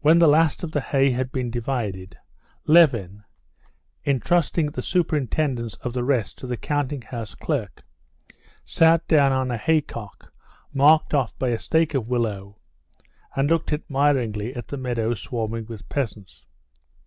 When the last of the hay had been divided, Levin, intrusting the superintendence of the rest to the counting house clerk, sat down on a haycock marked off by a stake of willow, and looked admiringly at the meadow swarming with peasants.